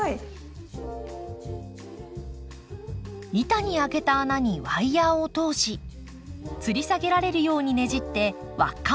板に開けた穴にワイヤーを通しつり下げられるようにねじって輪っかを作ったら出来上がり。